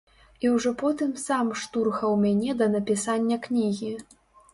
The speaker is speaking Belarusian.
І ўжо потым сам штурхаў мяне да напісання кнігі.